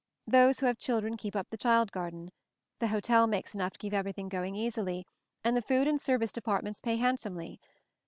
Those who have children keep up the child garden. The hotel makes enough to keep everything going easily, and the food and service de partments pay handsomely.